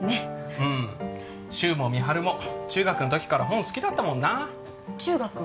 うん柊も美晴も中学の時から本好きだったもんな中学？